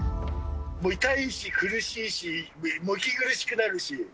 痛いし、苦しいし、息苦しくなるし。